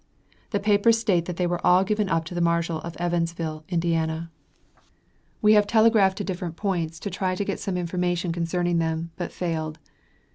The papers state, that they were all given up to the Marshal of Evansville, Indiana. We have telegraphed to different points, to try to get some information concerning them, but failed.